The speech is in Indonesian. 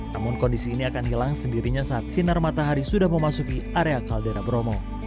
namun kondisi ini akan hilang sendirinya saat sinar matahari sudah memasuki area kaldera bromo